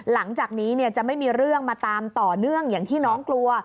หลังจากนี้จะไม่มีเรื่องมาตามต่อเนื่องอย่างที่น้องกลัว